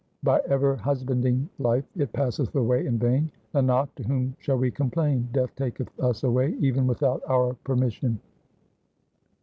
By ever husbanding life it passeth away in vain. Nanak, to whom shall we complain ? Death taketh us away even without our permission.